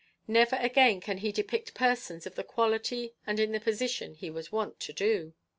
Never again can he depict persons of the quality and in the position he was wont to do.